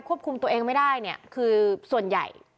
คุมตัวเองไม่ได้เนี่ยคือส่วนใหญ่